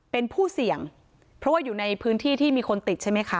เป็นผู้เสี่ยงเพราะว่าอยู่ในพื้นที่ที่มีคนติดใช่ไหมคะ